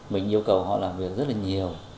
mình yêu cầu họ làm việc rất là nhiều